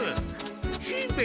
しんべヱ！